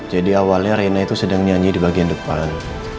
jadi awalnya reina itu sedang nyanyi di bagian depan